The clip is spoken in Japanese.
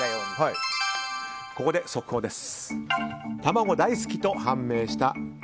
ここで速報です。